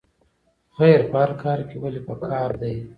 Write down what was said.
خیر په هر کار کې ولې پکار دی؟